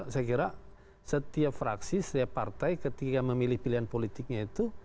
saya kira setiap fraksi setiap partai ketika memilih pilihan politiknya itu